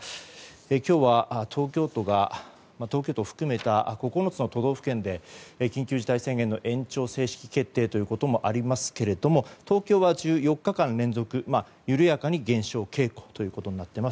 今日は、東京都を含めた９つの都道府県で緊急事態宣言の延長が正式決定ということもありますが東京は１４日間連続緩やかな人減少傾向となっています。